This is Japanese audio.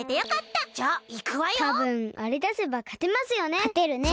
たぶんあれだせばかてますよね。